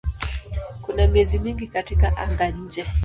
Kuna miezi mingi katika anga-nje.